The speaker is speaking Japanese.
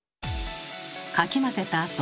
かき混ぜたあと